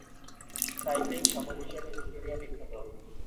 Cycling শহর হিসেবে Victoria বিখ্যাত।